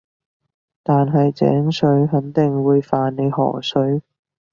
但係井水肯定會犯你河水